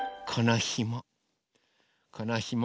このひも。